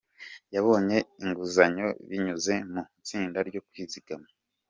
Yabonye inguzanyo binyuze mu itsinda ryo kwizigama.